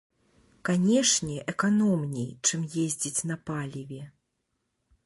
Канешне, эканомней, чым ездзіць на паліве.